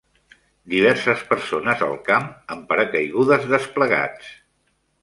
Diverses persones al camp amb paracaigudes desplegats.